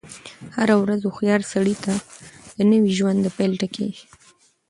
هره ورځ هوښیار سړي ته د نوی ژوند د پيل ټکی يي.